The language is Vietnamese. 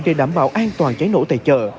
để đảm bảo an toàn cháy nổ tại chợ